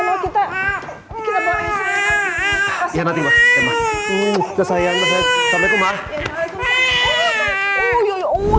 mau kita kita bahas ya nanti mah emang tuh sayangnya saya cuma ya ya ya ya